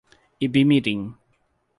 Ibimirim